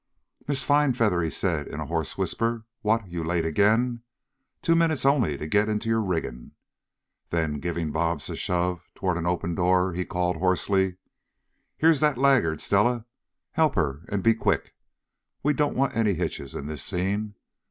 "Miss Finefeather," he said, in a hoarse whisper, "What? You late again? Two minutes only to get into your riggin'." Then giving Bobs a shove toward an open door, he called hoarsely: "Here's that laggard, Stella. Help her and be quick. We don't want any hitches in this scene.